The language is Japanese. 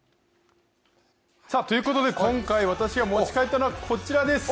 ということで今回私が持ち帰ったのはこちらです。